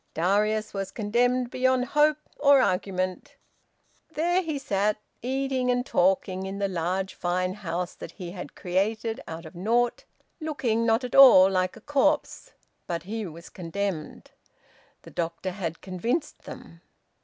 Darius was condemned beyond hope or argument. There he sat, eating and talking, in the large, fine house that he had created out of naught, looking not at all like a corpse; but he was condemned. The doctor had convinced them.